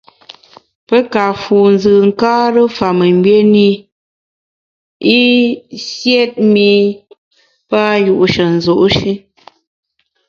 Pe ka fu nzùnkare fa mengbié ne i, i siét mi pa yu’she nzu’ shi.